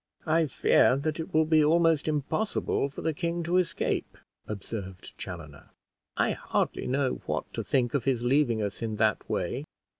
"I fear that it will be almost impossible for the king to escape," observed Chaloner. "I hardly know what to think of his leaving us in that way."